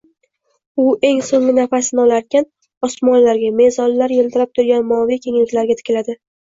U eng soʻnggi nafasini olarkan, osmonlarga, mezonlar yiltirab turgan moviy kengliklarga tikiladi.